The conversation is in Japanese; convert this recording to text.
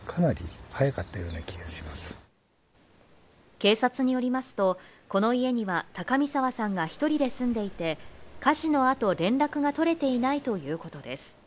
警察によりますと、この家には高見沢さんが１人で住んでいて、火事の後、連絡が取れていないということです。